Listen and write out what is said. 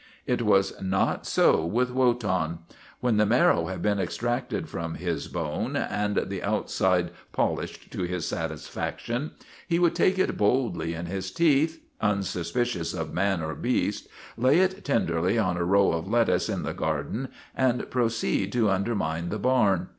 It was not so with Wotan. When the marrow WOTAN, THE TERRIBLE 225 had been extracted from his bone and the outside polished to his satisfaction, he would take it boldly in his teeth, unsuspicious of man or beast, lay it tenderly on a row of lettuce in the garden, and pro ceed to undermine the barn.